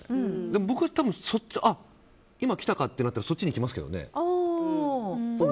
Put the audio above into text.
僕は、今、来たかってなったらそっちにいきますけどね。